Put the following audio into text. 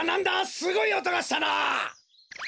すごいおとがしたな。